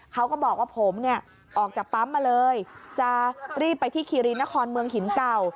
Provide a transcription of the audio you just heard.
เขาก็บอกว่าผมเนี่ยออกจากปั๊มมาเลยจะรีบไปที่คีรีนครเมืองหินเก่า